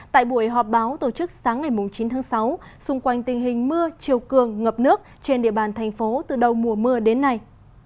tại buổi họp báo tổ chức sáng ngày chín tháng sáu xung quanh tình hình mưa chiều cường ngập nước trên địa bàn thành phố từ đầu mùa mưa đến nay